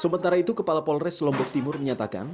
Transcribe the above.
sementara itu kepala polres lombok timur menyatakan